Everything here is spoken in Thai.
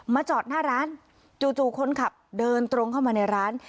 จอดหน้าร้านจู่คนขับเดินตรงเข้ามาในร้าน